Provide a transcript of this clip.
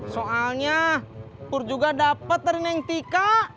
soalnya pur juga dapet dari neng tika